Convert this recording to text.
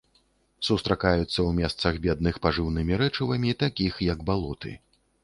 Сустракаюцца ў месцах, бедных пажыўнымі рэчывамі, такіх як балоты.